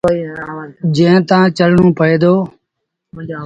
جݩهݩ تآݩ چڙهڻو پئي دو۔